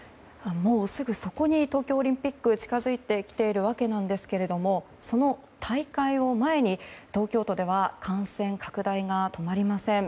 もうすぐそこに東京オリンピックが近づいてきているわけなんですがその大会を前に東京都では感染拡大が止まりません。